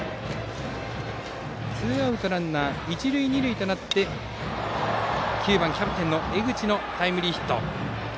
ツーアウトランナー、一塁二塁となって９番、キャプテンの江口のタイムリーヒット。